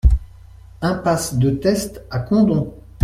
Impasse de Teste à Condom